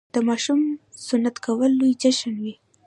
د ماشوم سنتي کول لوی جشن وي.